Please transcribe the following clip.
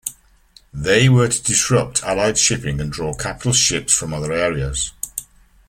They were to disrupt Allied shipping and draw capital ships from other areas.